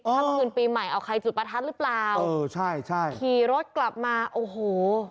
ค่ำคืนปีใหม่เอาใครจุดประทัดหรือเปล่าเออใช่ใช่ขี่รถกลับมาโอ้โห